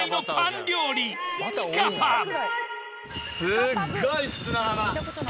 すっごい砂浜。